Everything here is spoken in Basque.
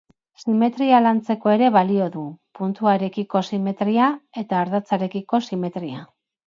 Simetria lantzeko ere balio du: puntuarekiko simetria eta ardatzarekiko simetria.